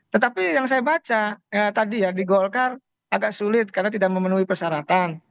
tetapi yang saya baca tadi ya di golkar agak sulit karena tidak memenuhi persyaratan